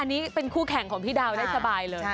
อันนี้เป็นคู่แข่งของพี่ดาวได้สบายเลย